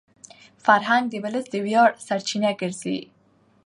فرهنګ د ولس د ویاړ سرچینه ګرځي.